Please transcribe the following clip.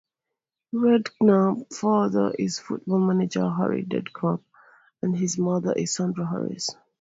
Redknapp's father is football manager Harry Redknapp, and his mother is Sandra Harris.